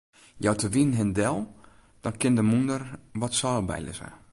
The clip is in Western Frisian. Jout de wyn him del, dan kin de mûnder wat seil bylizze.